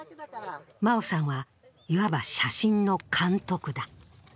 真生さんはいわば写真の監督だ。